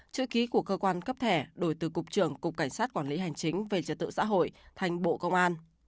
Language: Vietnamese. chữ ký của cơ quan cấp thẻ đổi từ cục trưởng cục cảnh sát quản lý hành chính về trật tự xã hội thành bộ công an